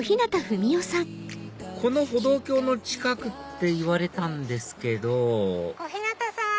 この歩道橋の近くって言われたんですけど小日向さん！